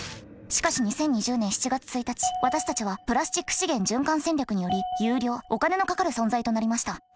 しかし２０２０年７月１日私たちはプラスチック資源循環戦略により有料お金のかかる存在となりました。